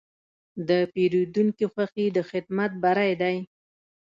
د پیرودونکي خوښي د خدمت بری دی.